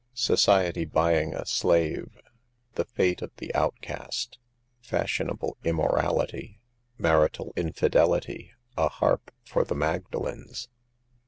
SOCIETY BUYING A SLAVE — THE FATE OF THE OUTCAST — FASHIONABLE IMMORALITY — MARITAL INFIDELITY —" A HARP FOR THE MAGDALENS."